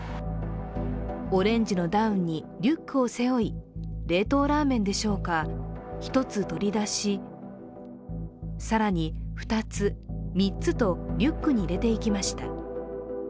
オレンジのダウンにリュックを背負い、冷凍ラーメンでしょうか１つ取り出し更に２つ、３つとリュックに入れていきました。